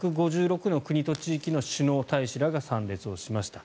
１５６の国と地域の首脳、大使らが参列をしました。